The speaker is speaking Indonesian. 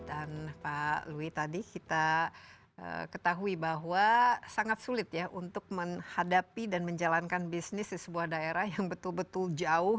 dan pak louis tadi kita ketahui bahwa sangat sulit ya untuk menghadapi dan menjalankan bisnis di sebuah daerah yang betul betul jauh